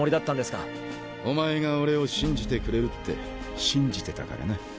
お前が俺を信じてくれるって信じてたからな。